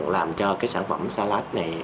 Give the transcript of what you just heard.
làm cho cái sản phẩm salad này